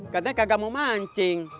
katanya kagak mau mancing